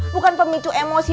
bukan pemicu emosi